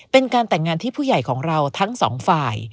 เป็นการแต่งงานที่ผู้ใหญ่ของเราทั้งสองฝ่าย